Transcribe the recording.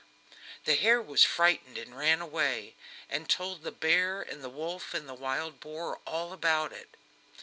_" The hare was frightened and ran away, and told the bear, the wolf and the wild boar all about it.